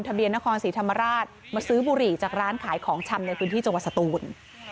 ทะเบียนเทศนะครสีธรรมราชมาซื้อบุรีจากร้านขายของชำในพื้นที่จงว่าศูนย์